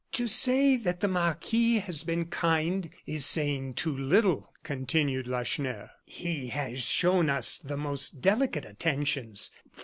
"To say that the marquis has been kind is saying too little," continued Lacheneur. "He has shown us the most delicate attentions.